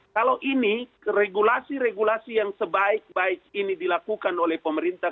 kalau ini regulasi regulasi yang sebaik baik ini dilakukan oleh pemerintah